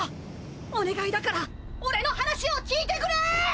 お願いだから俺の話を聞いてくれ！